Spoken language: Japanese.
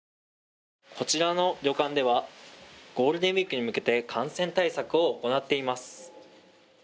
こちらの旅館ではゴールデンウィークに向けて感染対策を行っています。